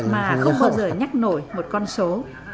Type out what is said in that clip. mà không bao giờ nhắc nổi một con số